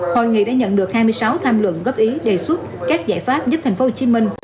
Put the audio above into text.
hội nghị đã nhận được hai mươi sáu tham luận góp ý đề xuất các giải pháp giúp thành phố hồ chí minh